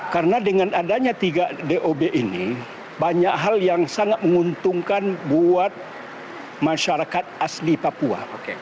karena dengan adanya tiga dob ini banyak hal yang sangat menguntungkan buat masyarakat asli papua